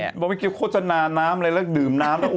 บอกว่าเมื่อกี้โคตรสนานน้ำเลยแล้วดื่มน้ำแล้ว